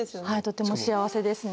とても幸せですね。